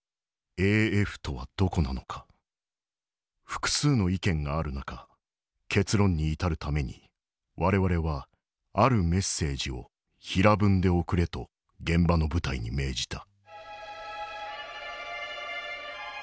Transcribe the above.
「複数の意見がある中結論に至るために我々はあるメッセージを平文で送れと現場の部隊に命じた」。